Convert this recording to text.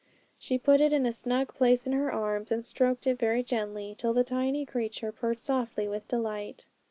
She put it in a snug place in her arms and stroked it very gently, till the tiny creature purred softly with delight.